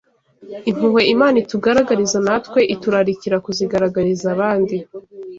Impuhwe Imana itugaragariza natwe iturarikira kuzigaragariza abandi